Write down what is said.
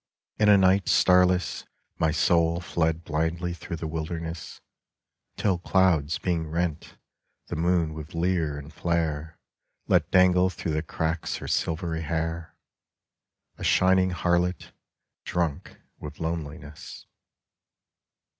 In a night starless My soul fled blindly through the wilderness, Till clouds being rent, the moon with leer and flare Let dangle through the cracks her silvery hair — A shining harlot, drunk with loneliness.